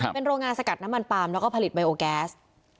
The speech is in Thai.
เป็นโรงงานสกัดน้ำมันปาล์มแล้วก็ผลิตไบโอแก๊ส